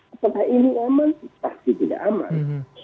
apakah ini aman pasti tidak aman